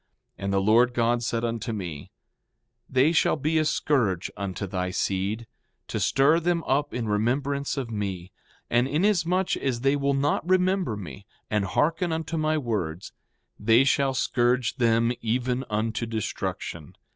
5:25 And the Lord God said unto me: They shall be a scourge unto thy seed, to stir them up in remembrance of me; and inasmuch as they will not remember me, and hearken unto my words, they shall scourge them even unto destruction.